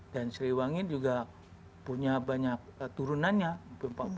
dan serewangi juga punya banyak turunannya